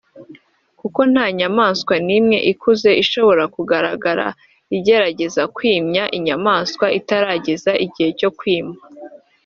kuko nta nyamaswa n’imwe ikuze ishobora kugaragara igerageza kwimya inyamaswa itarageza igihe cyo kwima